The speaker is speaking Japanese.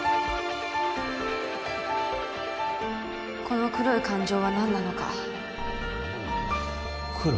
この黒い感情は何なのか黒？